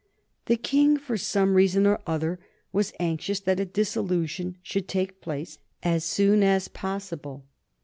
The King, for some reason or other, was anxious that a dissolution should take place as soon as possible.